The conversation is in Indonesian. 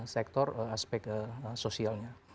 sektor aspek sosialnya